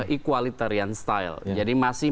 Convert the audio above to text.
equalitarian style jadi masih